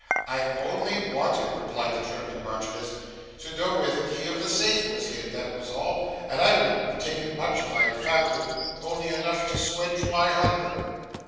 'I only wanted,' replied the trembling Marchioness, 'to know where the key of the safe was hid; that was all; and I wouldn't have taken much, if I had found it only enough to squench my hunger.